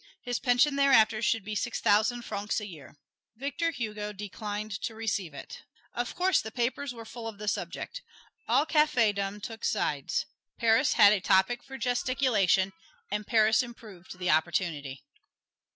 His pension thereafter should be six thousand francs a year. Victor Hugo declined to receive it. Of course, the papers were full of the subject. All cafedom took sides: Paris had a topic for gesticulation, and Paris improved the opportunity.